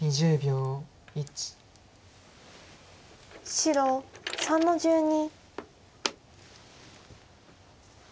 白３の十二。